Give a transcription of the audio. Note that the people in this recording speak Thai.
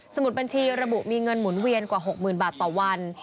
มุดบัญชีระบุมีเงินหมุนเวียนกว่า๖๐๐๐บาทต่อวัน